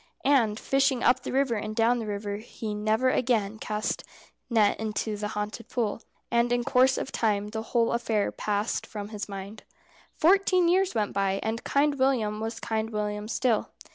And fishing up the river and down the river he never again cast net into the haunted pool. And in course of time the whole affair passed from his mind. Fourteen years went by, and Kind William was Kind William still.